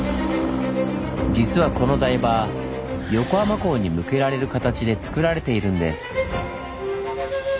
実はこの台場横浜港に向けられる形でつくられているんです。